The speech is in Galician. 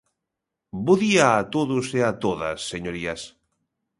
Bo día a todos e a todas, señorías.